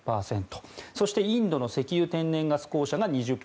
そして、インドの石油・天然ガス公社が２０％。